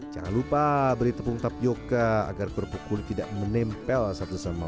jangan lupa beri tepung tapioca agar kerupuk kulit tidak menempel satu sama lain